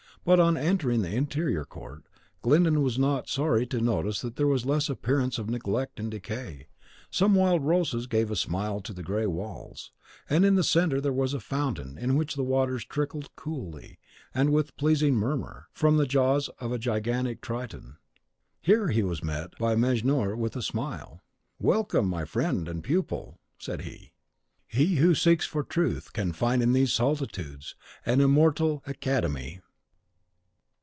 But on entering the inner court, Glyndon was not sorry to notice that there was less appearance of neglect and decay; some wild roses gave a smile to the grey walls, and in the centre there was a fountain in which the waters still trickled coolly, and with a pleasing murmur, from the jaws of a gigantic Triton. Here he was met by Mejnour with a smile. "Welcome, my friend and pupil," said he: "he who seeks for Truth can find in these solitudes an immortal Academe."